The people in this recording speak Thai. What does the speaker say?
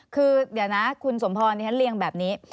คือเดี๋ยวนะคุณสมพรดิฉันเรียงแบบนี้